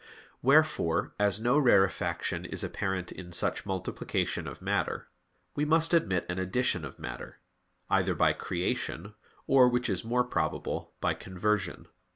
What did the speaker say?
Wherefore, as no rarefaction is apparent in such multiplication of matter, we must admit an addition of matter: either by creation, or which is more probable, by conversion.